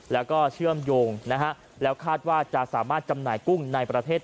แล้วก็เชื่อมโยงนะฮะแล้วคาดว่าจะสามารถจำหน่ายกุ้งในประเทศ